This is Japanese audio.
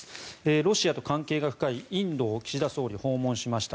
ロシアと関係が深いインドを岸田総理、訪問しました。